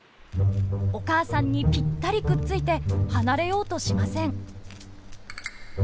お母さんにぴったりくっついて離れようとしません。